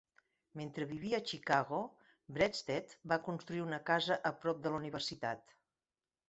Mentre vivia a Chicago, Breasted va construir una casa a prop de la universitat.